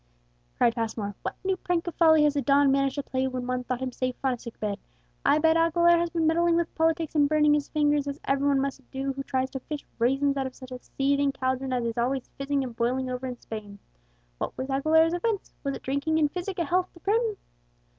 cried Passmore. "What new prank of folly has the don managed to play when one thought him safe on a sick bed? I bet Aguilera has been meddling with politics and burning his fingers, as every one must do who tries to fish raisins out of such a seething caldron as is always fizzing and boiling over in Spain. What was Aguilera's offence? Was it drinking in physic a health to Prim?"